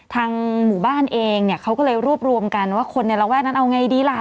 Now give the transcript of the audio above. ทางหมู่บ้านเองเนี่ยเขาก็เลยรวบรวมกันว่าคนในระแวกนั้นเอาไงดีล่ะ